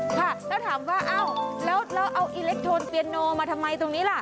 ค่ะแล้วถามว่าเอ้าแล้วเอาอิเล็กทรอนเปียโนมาทำไมตรงนี้ล่ะ